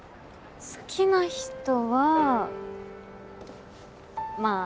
好きな人はまあ。